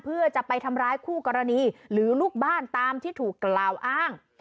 เพื่อจะไปทำร้ายคู่กรณีหรือลูกบ้านตามที่ถูกกล่าวอ้าง